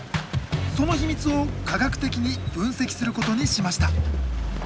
その秘密を科学的に分析することにしました。